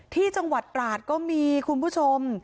ที่จังหวัดตราดก็มีคุณผู้ชม